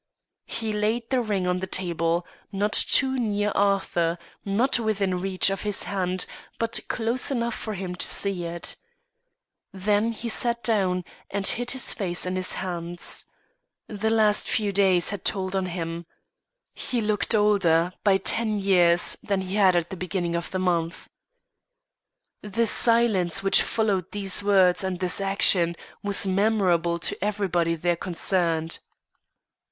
He laid the ring on the table, not too near Arthur, not within reach of his hand, but close enough for him to see it. Then he sat down, and hid his face in his hands. The last few days had told on him. He looked older, by ten years, than he had at the beginning of the month. The silence which followed these words and this action, was memorable to everybody there concerned.